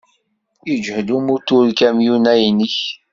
Yeǧhed umutur ukamyun-a-inek.